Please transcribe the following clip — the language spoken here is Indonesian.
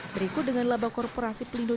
berikut dengan laba korporasi pelindung